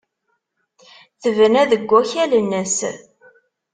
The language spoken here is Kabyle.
Tebna deg wakal-nnes.